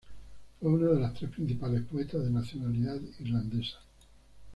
Fue una de las tres principales poetas de nacionalidad irlandesa.